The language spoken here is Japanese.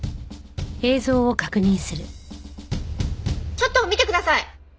ちょっと見てください！